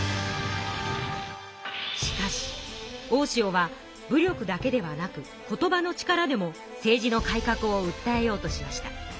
しかし大塩は武力だけではなく言葉の力でも政治の改かくをうったえようとしました。